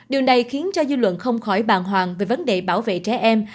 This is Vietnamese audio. điều này khiến cho dư luận không khỏi bàng hoàng về vấn đề bảo vệ trẻ em